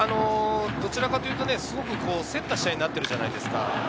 どちらかというと、すごく競った試合になってるじゃないですか。